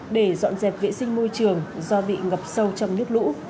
để dọn dẹp vệ sinh môi trường do bị ngập sâu trong nước lũ